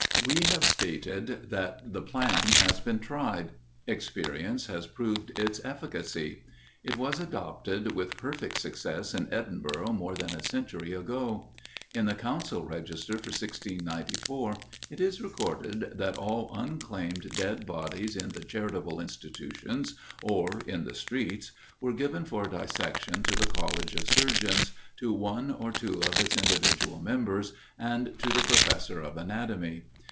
We have stated, that the plan has been tried. Experience has proved its efficacy. It was adopted with perfect success in Edinburgh more than a century ago. In the Council Register for 1694, it is recorded that all unclaimed dead bodies in the charitable institutions or in the streets, were given for dissection to the College of Surgeons, to one or two of its individual members, and to the professor of anatomy.